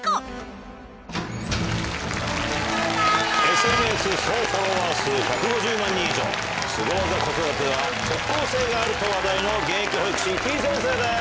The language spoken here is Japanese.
ＳＮＳ総フォロワー数１５０万人以上すご技子育ては即効性があると話題の現役保育士てぃ先生です。